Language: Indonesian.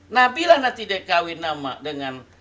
nabilah nanti dia kawin sama dengan